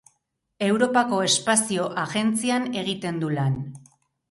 Europako Espazio Agentzian egiten du lan.